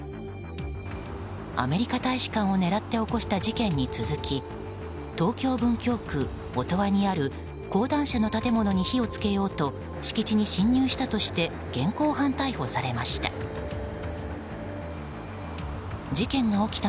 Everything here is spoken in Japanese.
アメリカ大使館を狙って起こした事件に続き東京・文京区音羽にある講談社の建物に火を付けようと敷地に侵入したとして現行犯逮捕されました。